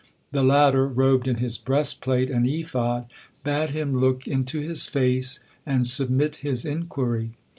The latter, robed in his breastplate and ephod, bade him look into his face and submit his inquiry.